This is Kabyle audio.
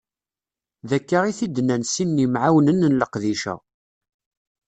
D akka i t-id-nnan sin n yimɛawnen n leqdic-a.